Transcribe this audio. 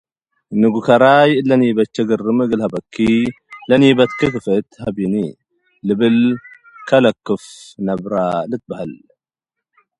“ንጉ ከራይ እለ ኒበቼ ግርም እግል ሀበኪ፡ ለኒበትኪ ክፍእት ሀቢኒ! ልብል ከለክፈ ነብረ ልትበሀል።